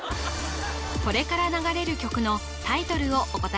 これから流れる曲のタイトルをお答え